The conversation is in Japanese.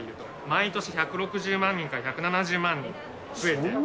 毎年１６０万人から１７０万人増えている。